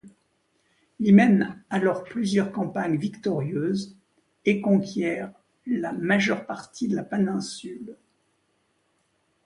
Il mène alors plusieurs campagnes victorieuses, et conquiert la majeure partie de la péninsule.